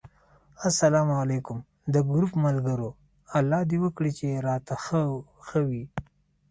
اسلام علیکم! د ګروپ ملګرو! الله دې وکړي چې راته ښه وی